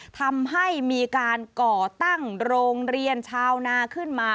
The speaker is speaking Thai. ทำให้มีการก่อตั้งโรงเรียนชาวนาขึ้นมา